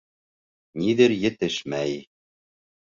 Ниҙер етешмәй.